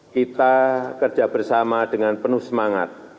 kita kerja bersama dengan penuh semangat